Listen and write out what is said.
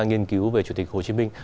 nghiên cứu về chủ tịch hồ chí minh